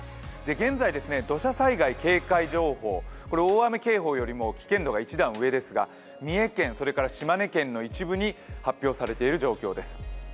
現在、土砂災害警戒情報、大雨警報よりも危険度が一段上ですが三重県、島根県の一部に発表されている状況です。